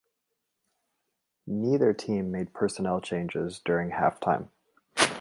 Neither team made personnel changes during half time.